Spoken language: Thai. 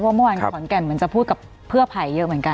เมื่อวานขอนแก่นเหมือนจะพูดกับเพื่อไผ่เยอะเหมือนกัน